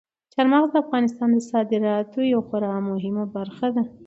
چار مغز د افغانستان د صادراتو یوه خورا مهمه برخه ده.